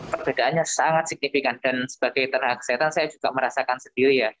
perbedaannya sangat signifikan dan sebagai tenaga kesehatan saya juga merasakan sendiri ya